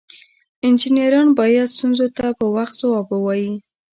انجینران باید ستونزو ته په وخت ځواب ووایي.